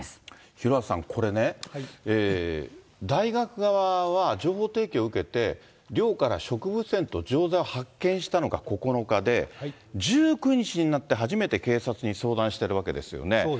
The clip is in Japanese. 廣畑さん、これね、大学側は情報提供を受けて、寮から植物片と錠剤を発見したのが９日で、１９日になって初めて警察に相談してるわけですよね。